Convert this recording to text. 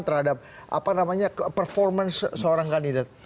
terhadap performance seorang kandidat